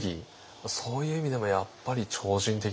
そういう意味でもやっぱり超人的ですよね。